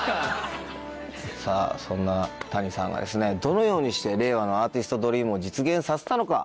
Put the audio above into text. さぁそんなＴａｎｉさんがどのようにして令和のアーティストドリームを実現させたのか。